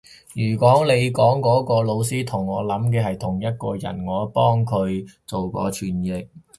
如果你講嗰個老師同我諗嘅係同一個人，我幫佢做過傳譯